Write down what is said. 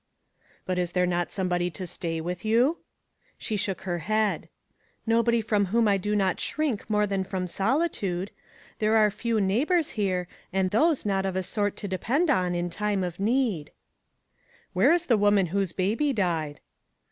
"But is there not somebody to stay with you ?.'; She shook her head. " Nobody from whom I do not shrink more than from solitude. There are few 498 A NIGHT TO REMKMRER. 499 neighbors here, and those not of a sort to depend on in time of need." "Where is the woman whose baby died?"